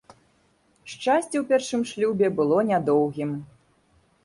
Шчасце ў першым шлюбе было нядоўгім.